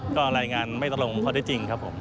ก็รายงานไม่ตรงข้อได้จริงครับผม